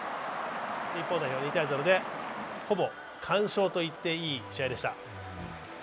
日本代表２−０でほぼ完勝と言っていい試合でした。